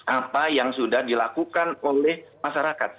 apa yang sudah dilakukan oleh masyarakat